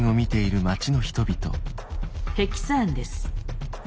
ヘキサ案です。